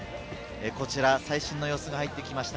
最新の様子が入ってきました。